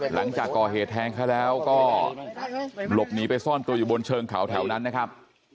หลังจากก่อเหตุแทงเขาแล้วก็หลบหนีไปซ่อนตัวอยู่บนเชิงเขาแถวนั้นนะครับ